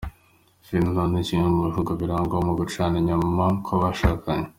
Finland ni kimwe mu bihugu birangwamo gucana inyuma kw’abashakanye.